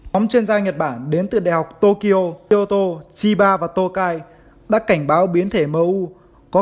móng chuyên gia nhật bản đến từ đại học tokyo kyoto chiba và tokai đã cảnh báo biến thể mou có